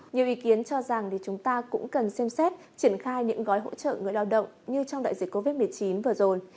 nhiều ý kiến cho rằng chúng ta cũng cần xem xét triển khai những gói hỗ trợ người lao động như trong đại dịch covid một mươi chín vừa rồi